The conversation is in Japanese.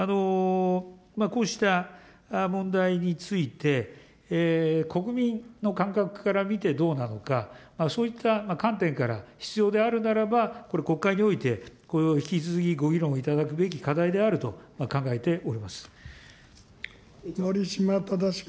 こうした問題について、国民の感覚から見てどうなのか、そういった観点から必要であるならば、これ、国会においてこれを引き続きご議論いただくべき課題であると考え守島正君。